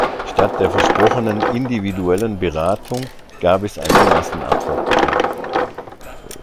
Statt der versprochenen individuellen Beratung gab es eine Massenabfertigung.